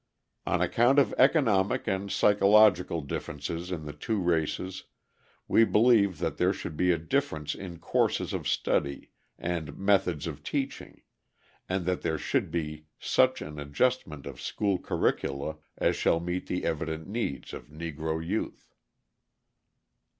On account of economic and psychological differences in the two races, we believe that there should be a difference in courses of study and methods of teaching, and that there should be such an adjustment of school curricula as shall meet the evident needs of Negro youth.